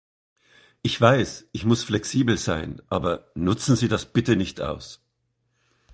Ich weiß, ich muss flexibel sein, aber nutzen Sie das bitte nicht aus.